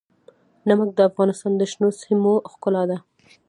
نمک د افغانستان د شنو سیمو ښکلا ده.